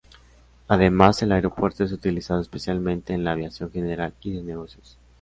Además el aeropuerto es utilizado especialmente en la aviación general y de negocios.